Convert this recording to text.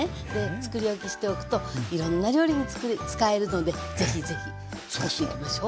つくり置きしておくといろんな料理に使えるので是非是非つくっていきましょう。